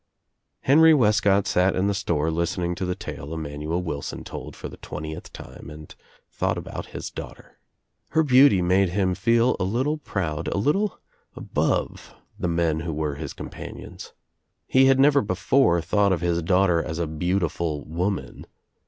Henry Wescott sat in the store listening to the tale Emanuel Wilson told for the twentieth time and thought about his daughter. Her beauty made him feel a little proud, a little above the men who were his companions. He had never before thought of his daughter as a beautiful woman.